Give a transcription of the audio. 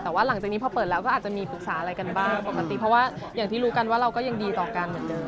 แต่ว่าหลังจากนี้พอเปิดแล้วก็อาจจะมีปรึกษาอะไรกันบ้างปกติเพราะว่าอย่างที่รู้กันว่าเราก็ยังดีต่อกันเหมือนเดิม